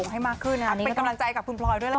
ให้มากขึ้นนะเป็นกำลังใจกับคุณพลอยด้วยแล้วกันนะคะ